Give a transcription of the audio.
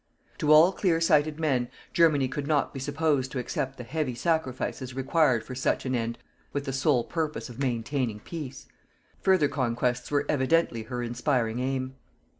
To all clear sighted men, Germany could not be supposed to accept the heavy sacrifices required for such an end with the sole purpose of maintaining peace. Further conquests were evidently her inspiring aim.